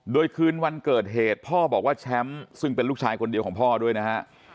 โดยคืนวันเกิดเหตุพ่อบอกว่าแชมป์ซึ่งเป็นลูกชายคนเดียวของพ่อด้วยนะฮะ